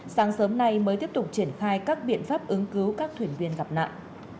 sáng sớm nay mới tiếp tục triển khai các biện pháp ứng cứu các thuyền viên gặp nạn